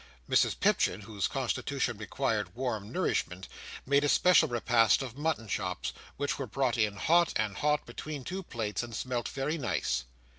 Mrs Pipchin, whose constitution required warm nourishment, made a special repast of mutton chops, which were brought in hot and hot, between two plates, and smelt very nice.